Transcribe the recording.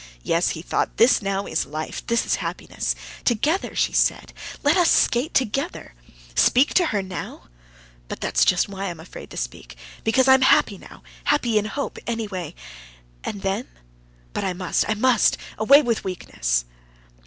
"Yes," he thought, "this now is life, this is happiness! Together, she said; let us skate together! Speak to her now? But that's just why I'm afraid to speak—because I'm happy now, happy in hope, anyway.... And then?... But I must! I must! I must! Away with weakness!"